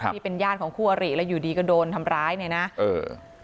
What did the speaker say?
ที่เป็นญาติของคู่อริแล้วอยู่ดีก็โดนทำร้ายเนี่ยนะเออ